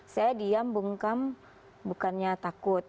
saya diam bungkam bukannya takut